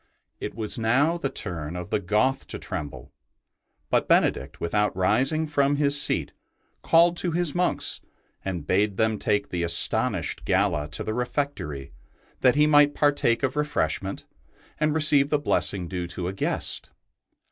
It was now the turn of the Goth to tremble; but Benedict, without rising from his seat, called to his monks and bade them take the astonished Galla to the refectory that he might partake of re freshment and receive the blessing due to a guest.